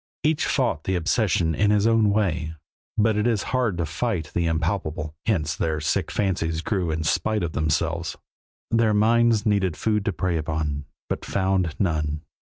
Each fought the obsession in his own way, but it is hard to fight the impalpable, hence their sick fancies grew in spite of themselves. Their minds needed food to prey upon, but found none.